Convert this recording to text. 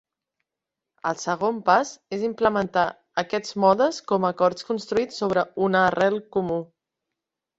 El segon pas és implementar aquests modes com acords construïts sobre una arrel comú.